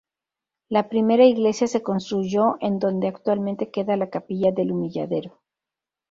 La primera iglesia se construyó en donde actualmente queda la capilla del Humilladero.